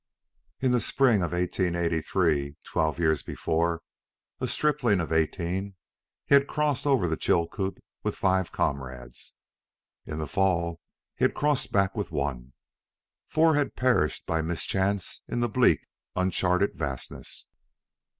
In the spring of 1883, twelve years before, a stripling of eighteen, he had crossed over the Chilcoot with five comrades. In the fall he had crossed back with one. Four had perished by mischance in the bleak, uncharted vastness.